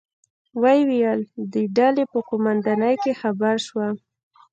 ویې ویل: د ډلې په قومندانۍ کې خبر شوم.